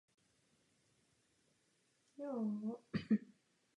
Tímto počinem pak zároveň uzavřel svou dráhu hudebního kritika a začal znovu skládat.